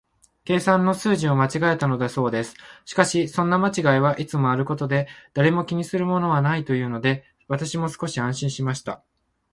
計算の数字を間違えたのだそうです。しかし、そんな間違いはいつもあることで、誰も気にするものはないというので、私も少し安心しました。